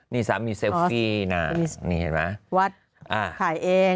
นี่สามีเซลฟี่นะนี่เห็นไหมวัดถ่ายเอง